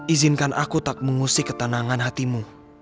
izinkan aku tak mengusik ketenangan hatimu